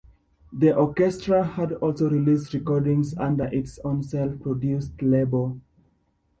The orchestra has also released recordings under its own self-produced label.